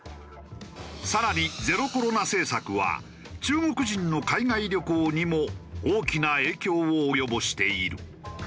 更にゼロコロナ政策は中国人の海外旅行にも大きな影響を及ぼしている。